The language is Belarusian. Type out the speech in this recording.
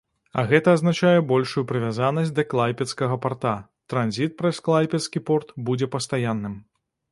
А гэта азначае большую прывязанасць да клайпедскага парта, транзіт праз клайпедскі порт будзе пастаянным.